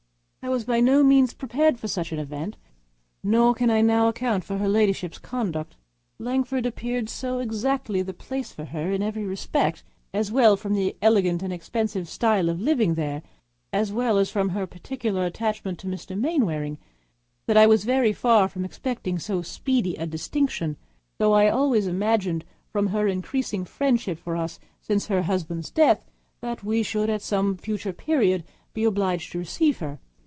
I was by no means prepared for such an event, nor can I now account for her ladyship's conduct; Langford appeared so exactly the place for her in every respect, as well from the elegant and expensive style of living there, as from her particular attachment to Mr. Mainwaring, that I was very far from expecting so speedy a distinction, though I always imagined from her increasing friendship for us since her husband's death that we should, at some future period, be obliged to receive her.